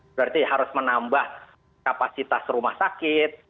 berarti harus menambah kapasitas rumah sakit